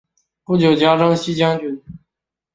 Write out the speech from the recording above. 不久加征西将军。